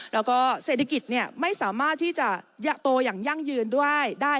แล้วก็เศรษฐกิจไม่สามารถที่จะโตอย่างยั่งยืนด้วยได้